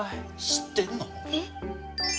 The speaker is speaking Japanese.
知ってんの？